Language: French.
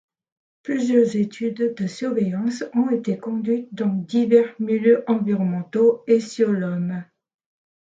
Plusieurs études de surveillance ont été conduites dans divers milieux environnementaux et sur l’homme.